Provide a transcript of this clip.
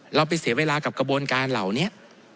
เราไปเสียเวลากับกระบวนการเหล่านี้